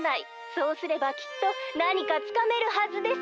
そうすればきっとなにかつかめるはずです！」。